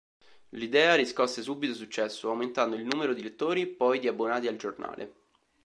L'idea riscosse subito successo, aumentando il numero di lettori, poi di abbonati al giornale.